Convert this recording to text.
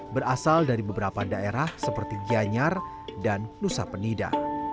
berasal dari beberapa daerah seperti gianyar dan nusa penida